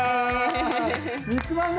肉まんだ！